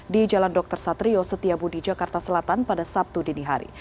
di jalan dr satrio setiabudi jakarta selatan pada sabtu dini hari